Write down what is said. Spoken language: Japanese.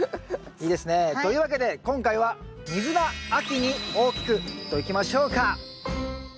いいですね。というわけで今回はといきましょうか。